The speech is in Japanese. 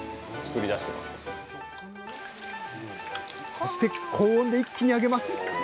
そして高温で一気に揚げます！